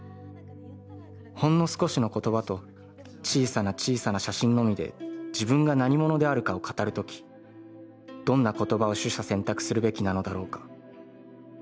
ほんの少しの言葉と小さな小さな写真のみで自分が何者であるかを語る時、どんな言葉を取捨選択するべきなのだろうか」。